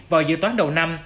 vào dự toán đầu năm